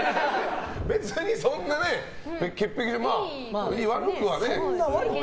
別にそんな潔癖で悪くはね。